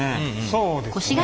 そうですね。